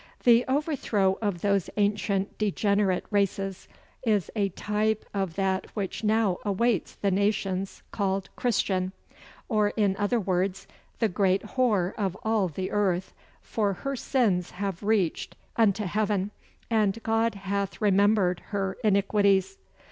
The overthrow of those ancient degenerate races is a type of that which now awaits the nations called "Christian," or in other words, The great whore of all the earth, for her sins have reached unto heaven, and God hath remembered her iniquities.